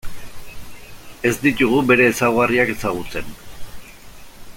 Ez ditugu bere ezaugarriak ezagutzen.